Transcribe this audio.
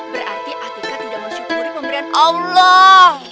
berarti atika tidak mensyukuri pemberian allah